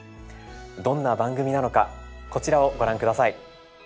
どんな番組なのかこちらをご覧下さい。